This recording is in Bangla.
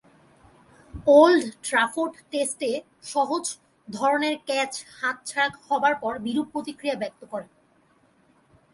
ওল্ড ট্রাফোর্ড টেস্টে সহজ ধরনের ক্যাচ হাতছাড়া হবার পর বিরূপ প্রতিক্রিয়া ব্যক্ত করেন।